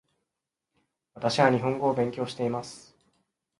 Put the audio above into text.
私は日本語を勉強しています